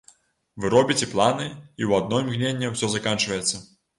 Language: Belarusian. Вы робіце планы, і ў адно імгненне ўсё заканчваецца.